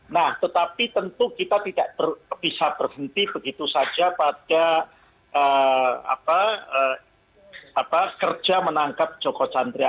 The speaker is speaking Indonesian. nah tetapi tentu kita tidak bisa berhenti begitu saja pada kerja menangkap joko chandra